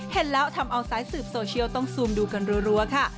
เห็นแล้วทำเอาสายสืบโซเชียลต้องซูมดูกันรัวค่ะ